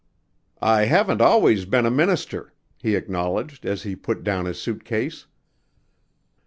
"I haven't always been a minister," he acknowledged as he put down his suit case.